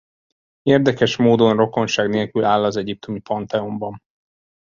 Érdekes módon rokonság nélkül áll az egyiptomi pantheonban.